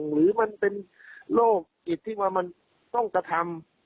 หรือมันเป็นโรคจิตที่ว่ามันต้องกระทำ